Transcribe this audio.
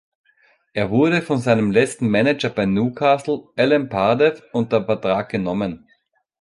Er wurde von seinem letzten Manager bei Newcastle, Alan Pardew, unter Vertrag genommen.